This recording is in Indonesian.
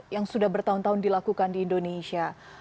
yang sudah bertahun tahun dilakukan di indonesia